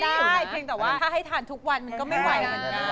เขาทานได้แต่ว่าให้ทานทุกวันก็ไม่ไหว